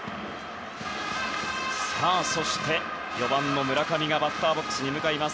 そして、４番の村上がバッターボックスに向かいます。